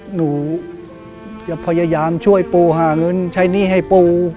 หนูจะพยายามช่วยปูหาเงินใช้หนี้ให้ปู